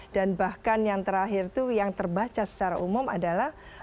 dan bahkan yang terakhir itu yang terbaca secara umum adalah